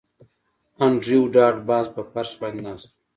انډریو ډاټ باس په فرش باندې ناست و